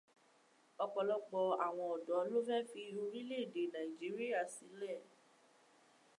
Ọ̀pọ̀lọpọ̀ àwọn ọ̀dọ́ lọ́ fẹ́ fi orílẹ̀ èdè Nàìjíríà sílẹ̀.